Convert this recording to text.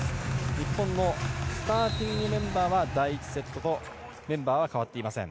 日本のスターティングメンバーは第１セットとメンバーは変わっていません。